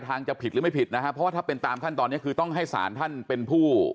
จะผิดหรือไม่ผิดนะฮะเพราะว่าถ้าเป็นตามขั้นตอนนี้คือต้องให้ศาลท่านเป็นผู้